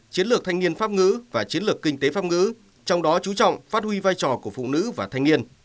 chiến lược thanh niên pháp ngữ và chiến lược kinh tế pháp ngữ trong đó chú trọng phát huy vai trò của phụ nữ và thanh niên